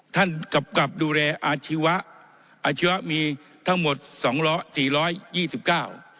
กำกับดูแลอาชีวะอาชีวะมีทั้งหมดสองร้อยสี่ร้อยยี่สิบเก้า